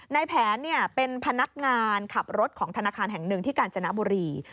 ในแผนเป็นพนักงานขับรถของธนาคารแห่งหนึ่งที่กาญจนบุรี